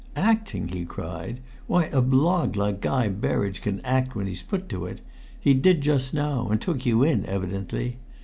"Acting!" he cried. "Why, a blog like Guy Berridge can act when he's put to it; he did just now, and took you in, evidently!